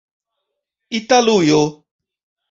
italujo